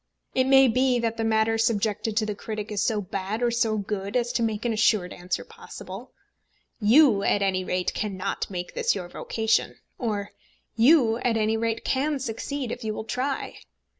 It may be that the matter subjected to the critic is so bad or so good as to make an assured answer possible. "You, at any rate, cannot make this your vocation;" or "You, at any rate, can succeed, if you will try."